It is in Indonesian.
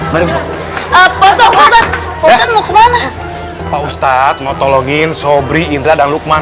pak ustadz mau kemana pak ustadz mau tolongin sobri indra dan lukman